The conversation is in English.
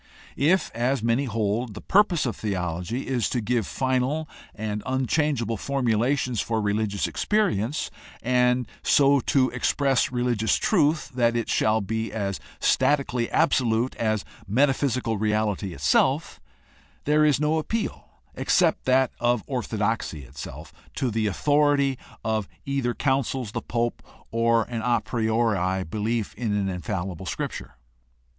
If, as many hold, the purpose^ of theology is to give final and unchangeable formulations for religioits experience and so to express religious truth that it shall be as statically absolute as metaphysical reality itself, there is no appeal except that of orthodoxy itself to the authority of either councils, the pope, or an a priori belief in an infallible Scrip ture.